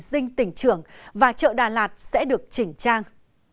dinh tỉnh trường và chợ đà lạt sẽ được chỉnh trang